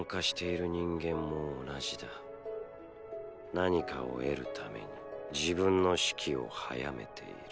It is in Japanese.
何かを得るために自分の死期を早めている。